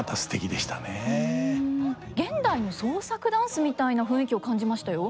現代の創作ダンスみたいな雰囲気を感じましたよ。